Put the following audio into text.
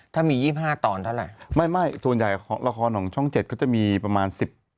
ถ้ามี๒๕ตอนเท่าไหร่ไม่ส่วนใหญ่ของละครของช่อง๗ก็จะมีประมาณ๑๐